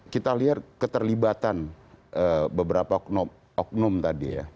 kita lihat keterlibatan beberapa oknum tadi ya